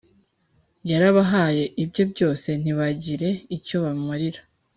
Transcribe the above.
yarabahaye ibye byose ntibagire icyo bamumarira